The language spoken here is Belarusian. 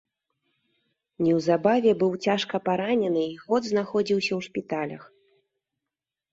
Неўзабаве быў цяжка паранены і год знаходзіўся ў шпіталях.